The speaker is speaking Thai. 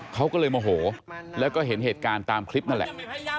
เขาก็เลยโมโหแล้วก็เห็นเหตุการณ์ตามคลิปนั่นแหละ